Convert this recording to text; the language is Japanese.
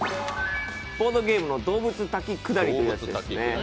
ボードゲームの「どうぶつ滝くだり」ですね。